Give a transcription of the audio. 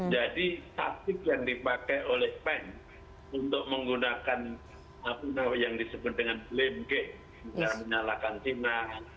jadi taktik yang dipakai oleh pence untuk menggunakan yang disebut dengan limg untuk menyalahkan china